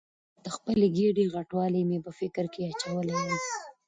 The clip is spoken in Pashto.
د خپلې ګېډې غټوالی مې په فکر کې اچولې یم.